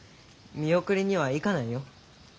見送りには行かないよ。